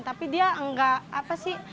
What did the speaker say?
tapi dia enggak apa sih